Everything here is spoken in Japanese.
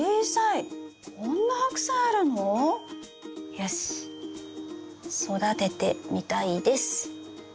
よし「育ててみたいです」。